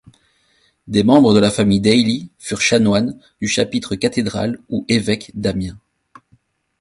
Des membres de la famille d'Heilly furent chanoines du chapitre cathédral ou évêque d'Amiens.